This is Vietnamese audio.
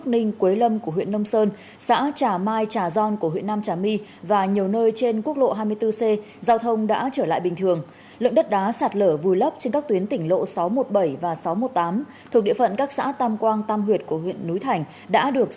những lời nhắc nhở được được được